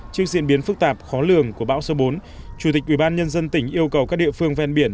trước diễn biến phức tạp khó lường của bão số bốn chủ tịch ubnd tỉnh yêu cầu các địa phương ven biển